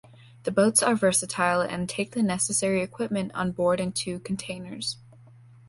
The boats are versatile and take the necessary equipment on board in two containers.